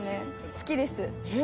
好きです。